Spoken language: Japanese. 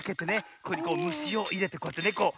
ここにむしをいれてこうやってねこう。